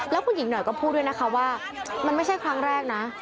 แล้วคุณหญิงหน่อยก็พูดด้วยนะคะว่ามันไม่ใช่ครั้งแรกนะ